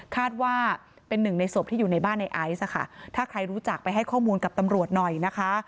คาดว่าเป็นหนึ่งในศพที่อยู่ในบ้านในไอซ์ค่ะถ้าใครรู้จักไปให้ข้อมูลกับตำรวจหน่อยนะคะ